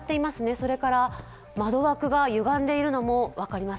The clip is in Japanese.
それから窓枠がゆがんでいるのも分かります。